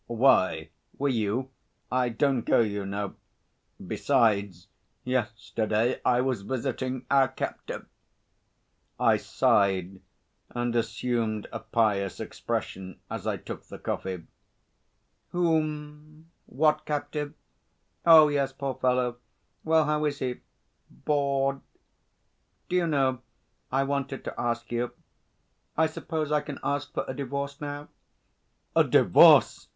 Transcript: "Why, were you? I don't go, you know. Besides, yesterday I was visiting our captive...." I sighed and assumed a pious expression as I took the coffee. "Whom?... What captive?... Oh, yes! Poor fellow! Well, how is he bored? Do you know ... I wanted to ask you.... I suppose I can ask for a divorce now?" "A divorce!"